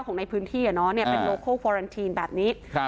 ของในพื้นที่อ่ะเนาะเนี่ยเป็นโลโคฟอรันทีนแบบนี้ครับ